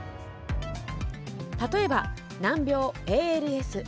例えば、難病ＡＬＳ。